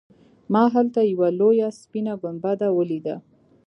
ما هلته یوه لویه سپینه ګنبده ولیده.